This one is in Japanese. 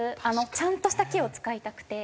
ちゃんとした木を使いたくて。